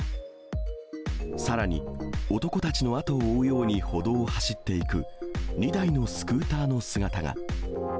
さらに、男たちの後を追うように歩道を走っていく２台のスクーターの姿が。